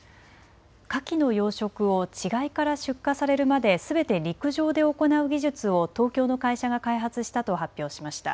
かきの養殖を稚貝から出荷されるまですべて陸上で行う技術を東京の会社が開発したと発表しました。